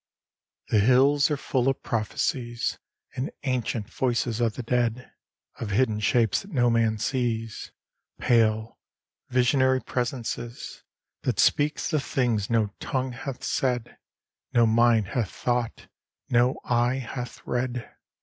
VI The hills are full of prophecies And ancient voices of the dead; Of hidden shapes that no man sees, Pale, visionary presences, That speak the things no tongue hath said, No mind hath thought, no eye hath read.